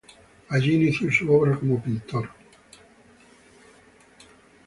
Allí inicio su obra como pintor.